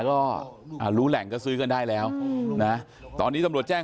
ก็รู้แหล่งก็ซื้อกันได้ตอนนี้สำหรับหนังที่แจ้ง